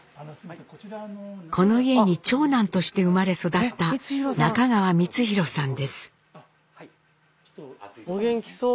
この家に長男として生まれ育ったお元気そう！